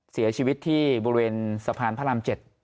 เสียชีวิตที่บริเวณสะพานพระราม๗